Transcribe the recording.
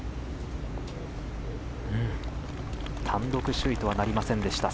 単独首位とはなりませんでした。